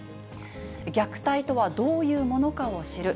虐待とはどういうものかを知る。